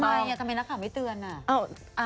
ทำไมทำไมนักข่าวไม่เตือนอ่ะ